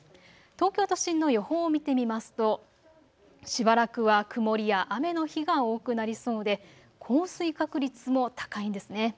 東京都心の予報を見てみますとしばらくは曇りや雨の日が多くなりそうで降水確率も高いんですね。